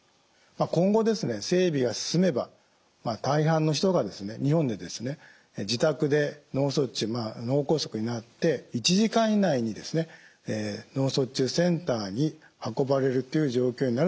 今後整備が進めば大半の人が日本でですね自宅で脳卒中脳梗塞になって１時間以内に脳卒中センターに運ばれるという状況になると期待してます。